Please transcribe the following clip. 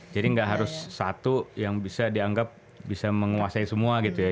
jadi gak harus satu yang bisa dianggap bisa menguasai semua gitu ya